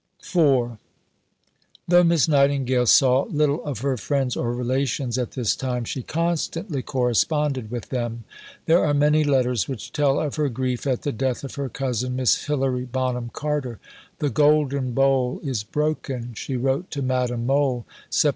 IV Though Miss Nightingale saw little of her friends or relations at this time, she constantly corresponded with them. There are many letters which tell of her grief at the death of her cousin, Miss Hilary Bonham Carter: "the golden bowl is broken," she wrote to Madame Mohl (Sept.